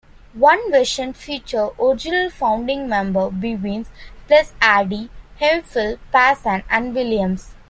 One version featured original founding member Bivins, plus Hardy, Hemphill, Pazant and Williams.